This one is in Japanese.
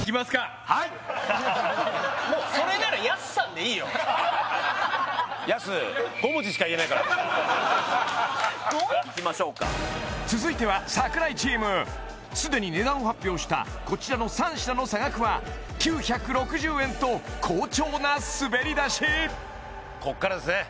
はいいきましょうか続いては櫻井チームすでに値段を発表したこちらの３品の差額は９６０円と好調な滑り出しこっからですね